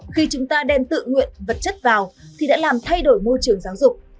khi chúng ta đem tự nguyện vật chất vào thì đã làm thay đổi môi trường giáo dục